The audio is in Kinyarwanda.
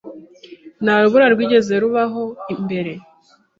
Nta rubura rwigeze rubaho mbere.